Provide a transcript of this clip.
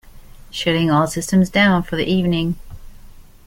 Shutting all systems down for the evening.